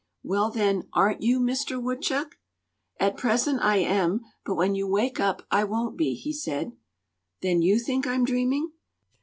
"Well, then, aren't you Mister Woodchuck?" "At present I am; but when you wake up, I won't be," he said. "Then you think I'm dreaming?"